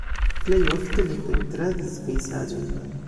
Plej ofte li pentradis pejzaĝojn.